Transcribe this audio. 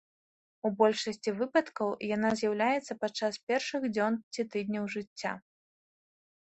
У большасці выпадкаў яна з'яўляецца падчас першых дзён ці тыдняў жыцця.